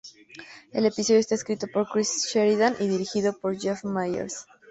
El episodio está escrito por Chris Sheridan y dirigido por Jeff Myers.